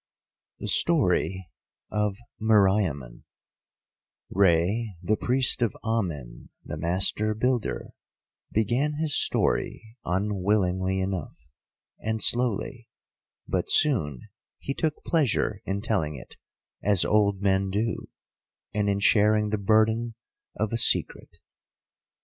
THE STORY OF MERIAMUN Rei, the Priest of Amen, the Master Builder, began his story unwillingly enough, and slowly, but soon he took pleasure in telling it as old men do, and in sharing the burden of a secret.